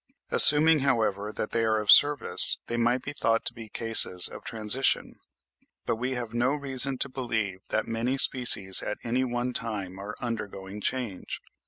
Assuming, however, that they are of service, they might be thought to be cases of transition; but we have no reason to believe that many species at any one time are undergoing change.